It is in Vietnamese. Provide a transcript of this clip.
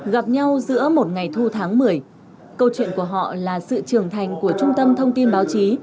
gặp nhau giữa một ngày thu tháng một mươi câu chuyện của họ là sự trưởng thành của trung tâm thông tin báo chí